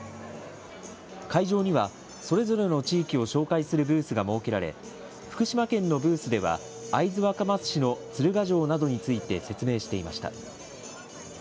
会場にはそれぞれの地域を紹介するブースが設けられ、福島県のブースでは、会津若松市の鶴ヶ城などについて、説明していました。